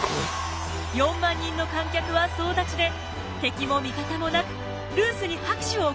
４万人の観客は総立ちで敵も味方もなくルースに拍手を送りました。